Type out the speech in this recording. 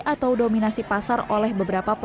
atau dominasi pasar oleh beberapa perusahaan